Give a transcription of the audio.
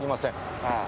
ああ。